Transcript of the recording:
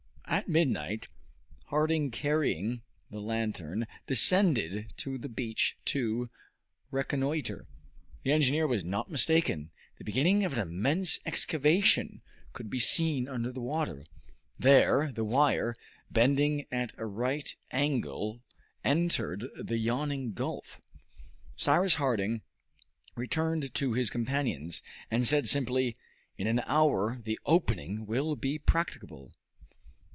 At midnight, Harding carrying the lantern, descended to the beach to reconnoiter. The engineer was not mistaken. The beginning of an immense excavation could be seen under the water. There the wire, bending at a right angle, entered the yawning gulf. Cyrus Harding returned to his companions, and said simply, "In an hour the opening will be practicable."